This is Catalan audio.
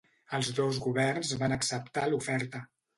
Els dos governs van acceptar l'oferta.